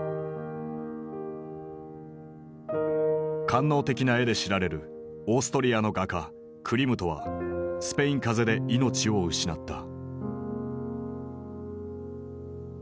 官能的な絵で知られるオーストリアの画家クリムトはスペイン風邪で命を失った。